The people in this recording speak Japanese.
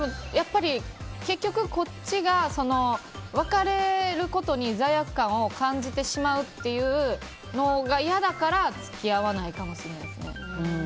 結局、こっちが別れることに罪悪感を感じてしまうっていうのが嫌だから付き合わないかもしれないですね。